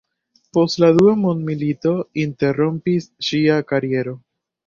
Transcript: Post la dua mondmilito interrompis ŝia kariero.